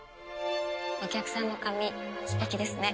お客さんの髪素敵ですね。